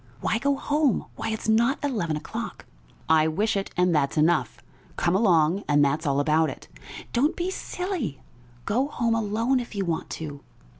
"Why go home? Why, it's not eleven o'clock." "I wish it, and that's enough. Come along, and that's all about it." "Don't be silly! Go home alone if you want to."